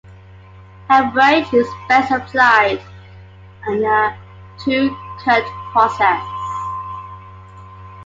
Hammerite is best applied in a two coat process.